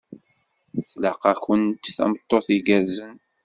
Tlaq-akent tameṭṭut igerrzen.